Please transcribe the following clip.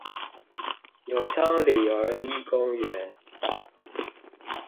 永昌里兒一公園